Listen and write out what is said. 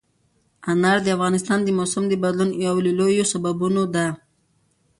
انار د افغانستان د موسم د بدلون یو له لویو سببونو ده.